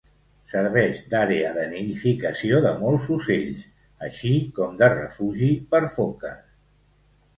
Serveix d'àrea de nidificació de molts ocells, així com de refugi per foques.